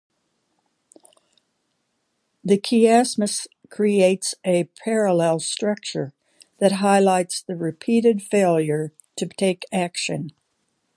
The chiasmus creates a parallel structure that highlights the repeated failure to take action.